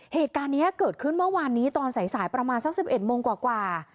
เหตุการณ์นี้เกิดขึ้นเมื่อวานนี้ตอนสายประมาณสัก๑๑โมงกว่า